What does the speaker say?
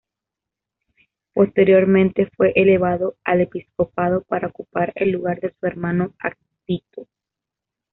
Posteriormente fue elevado al episcopado para ocupar el lugar de su hermano Avito.